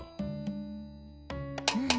うん。